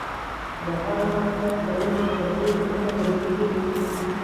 د هغه مکتب پلونه پر دې ځمکه ګرځېدلي دي.